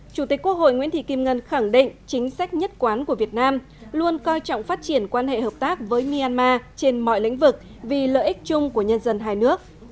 chủ tịch quốc hội nguyễn thị kim ngân khẳng định chính sách nhất quán của việt nam luôn coi trọng phát triển quan hệ hợp tác với myanmar trên mọi lĩnh vực vì lợi ích chung của nhân dân hai nước